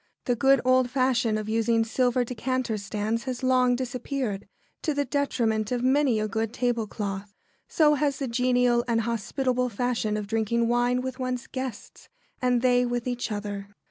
The good old fashion of using silver decanter stands has long disappeared, to the detriment of many a good tablecloth. So has the genial and hospitable fashion of drinking wine with one's guests, and they with each other.